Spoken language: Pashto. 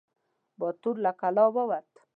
باتور له کلا ووت.